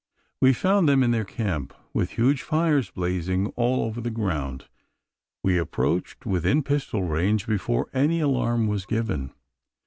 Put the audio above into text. We found them in their camp, with huge fires blazing all over the ground. We approached within pistol range before any alarm was given.